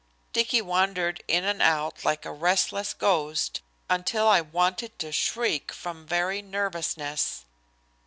Dicky wandered in and out like a restless ghost until I wanted to shriek from very nervousness.